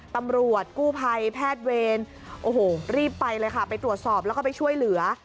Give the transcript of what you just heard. ตำรวจกู้ภัยแพทย์เวรโอ้โหรีบไปเลยค่ะไปตรวจสอบแล้วก็ไปช่วยเหลือ